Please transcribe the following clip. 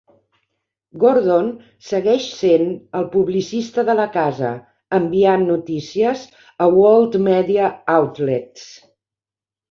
Gordon segueix sent el publicista de la casa, enviant notícies a World Media Outlets.